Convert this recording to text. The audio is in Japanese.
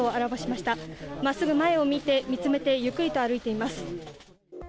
まっすぐ前を見つめてゆっくりと歩いています。